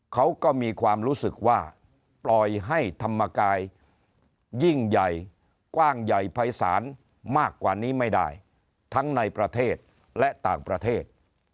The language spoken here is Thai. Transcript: เขาก็มีความรู้สึกว่าปล่อยให้ธรรมกายยิ่งใหญ่กว้างใหญ่ภายศาลมากกว่านี้ไม่ได้ทั้งในประเทศและต่างประเทศ